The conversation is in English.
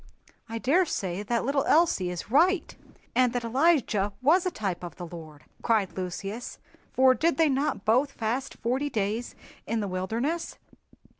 "I daresay that little Elsie is right, and that Elijah was a type of the Lord!" cried Lucius, "for did they not both fast forty days in the wilderness?"